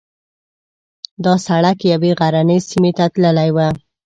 دا سړک یوې غرنۍ سیمې ته تللی و.